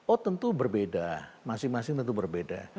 oh tentu berbeda masing masing tentu berbeda